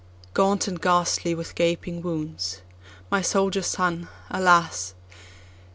Gaunt and ghastly with gaping wounds—(my soldier son, alas!)